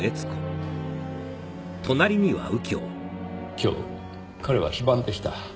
今日彼は非番でした。